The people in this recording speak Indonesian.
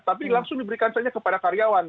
tapi langsung diberikan saja kepada karyawan